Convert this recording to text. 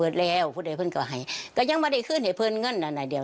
ในทุ่มหน้าเหรอในทุ่มหน้าเหรอในทุ่มหน้าเหรอ